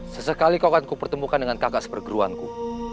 sesekali kau akan kupertemukan dengan kakak sepergeruanku